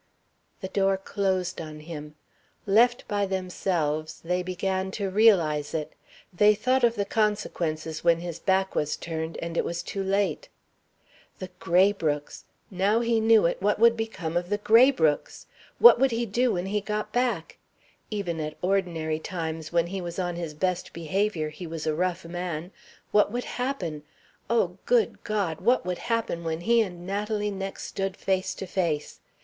The door closed on him. Left by themselves, they began to realize it. They thought of the consequences when his back was turned and it was too late. The Graybrookes! Now he knew it, what would become of the Graybrookes? What would he do when he got back? Even at ordinary times when he was on his best behavior he was a rough man. What would happen? Oh, good God! what would happen when he and Natalie next stood face to face?